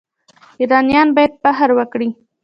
ایرانیان باید فخر وکړي.